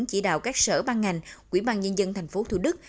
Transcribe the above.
chỉ đạo các sở ban ngành quỹ ban nhân dân tp thủ đức